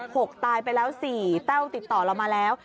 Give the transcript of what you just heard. หกตายไปแล้วสี่แต้วติดต่อเรามาแล้ว